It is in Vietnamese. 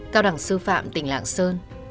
họ đẳng sư phạm tỉnh lạng sơn